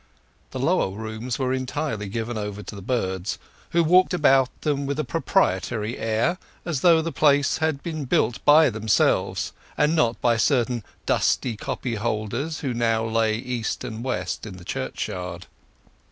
The lower rooms were entirely given over to the birds, who walked about them with a proprietary air, as though the place had been built by themselves, and not by certain dusty copyholders who now lay east and west in the churchyard.